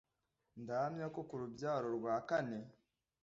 ndahamya ko ku rubyaro rwa kane